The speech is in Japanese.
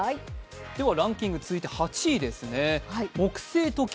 ランキング、８位ですね。